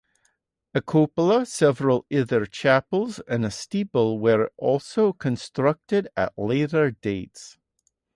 A cupola, several other chapels and a steeple were also constructed at later dates.